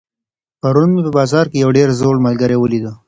پرون مي په بازار کي یو ډېر زوړ ملګری ولیدی.